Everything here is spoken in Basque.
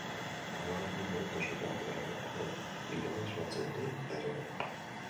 Koloreen ugaritasunak horrelako giroa islatzen du ere bai.